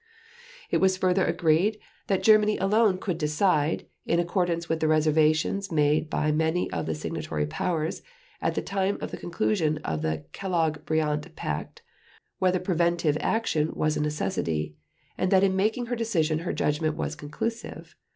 It was further argued that Germany alone could decide, in accordance with the reservations made by many of the Signatory Powers at the time of the conclusion of the Kellogg Briand Pact, whether preventive action was a necessity, and that in making her decision her judgment was conclusive.